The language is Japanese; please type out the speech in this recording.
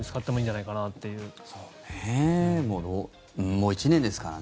もう１年ですからね。